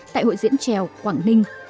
tại hội diễn trèo quảng ninh